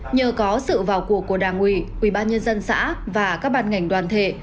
nhờ có sự vào cuộc của đảng ủy quỹ ban nhân dân xã và các ban ngành đoàn thể